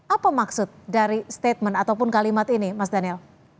apa maksud dari statement ataupun kalimat ini mas daniel